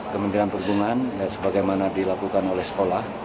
kementerian perhubungan sebagaimana dilakukan oleh sekolah